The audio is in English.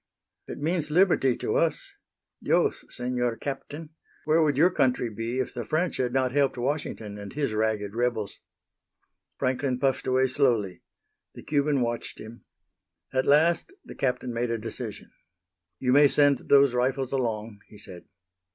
"It means liberty to us. Dios, Senor Captain, where would your country be if the French had not helped Washington and his ragged rebels?" Franklin puffed away slowly. The Cuban watched him. At last the Captain made a decision. "You may send those rifles along," he said.